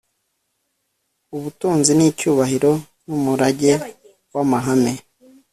ubutunzi n icyubahiro z n umurage w amahame